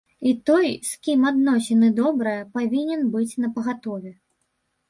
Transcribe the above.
І той, з кім адносіны добрыя, павінен быць напагатове.